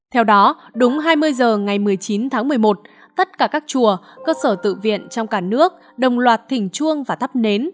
theo đó đúng hai mươi h ngày một mươi chín tháng một mươi một tất cả các chùa cơ sở tự viện trong cả nước đồng loạt thỉnh chuông và thắp nến